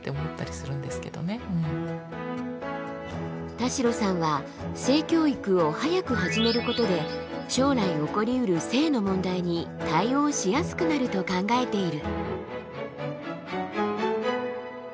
田代さんは性教育を早く始めることで将来起こりうる性の問題に対応しやすくなると考えている。